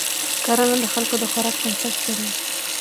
کرنه د خلکو د خوراک بنسټ جوړوي